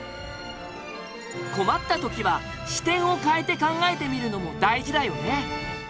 困った時は視点を変えて考えてみるのも大事だよね。